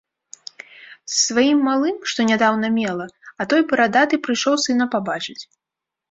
З сваім малым, што нядаўна мела, а той барадаты прыйшоў сына пабачыць.